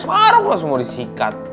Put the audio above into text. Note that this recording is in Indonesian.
maruk lah semua disikat